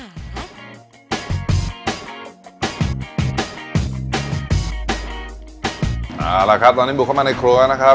เอาล่ะครับตอนนี้บุกเข้ามาในครัวแล้วนะครับ